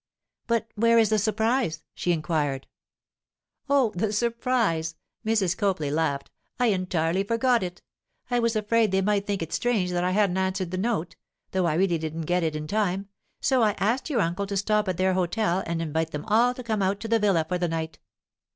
'But where is the surprise?' she inquired. 'Oh, the surprise!' Mrs. Copley laughed. 'I entirely forgot it. I was afraid they might think it strange that I hadn't answered the note—though I really didn't get it in time—so I asked your uncle to stop at their hotel and invite them all to come out to the villa for the night.